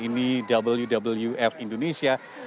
ini juga adalah perubahan yang terjadi di indonesia